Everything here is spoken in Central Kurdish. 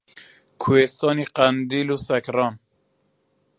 کوێستانی قەندیل و سەکران